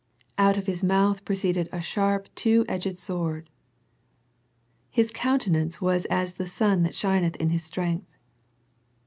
" Out of His mouth proceeded a sharp two edged sword." " His countenance was as the sun shineth in his strength."